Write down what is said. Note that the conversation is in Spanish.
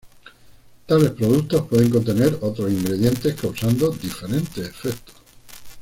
Tales productos pueden contener otros ingredientes, causando diferentes efectos.